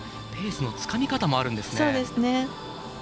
ペースのつかみ方もあるんですね。